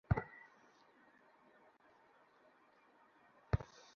এখন, জোরাল করতালির মাধ্যমে স্বাগত জানান স্যার পিটয়ার ইশ্যারওয়েলকে!